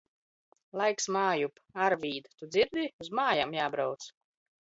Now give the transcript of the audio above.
Laiks mājup! Arvīd! Tu dzirdi, uz mājām jābrauc!